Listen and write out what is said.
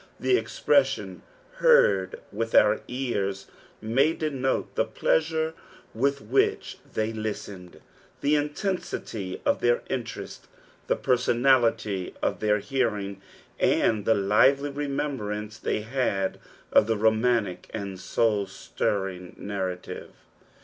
The espreaaion, " heard with o«r ears," may denote the pleasure with which they listened, the intensity of their Interest, the personality of their hearing, and the lively remembrance they had of the romantic and snul stirring narrative.